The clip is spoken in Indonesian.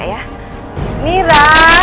mira kesini nak